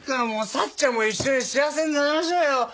さっちゃんも一緒に幸せになりましょうよ。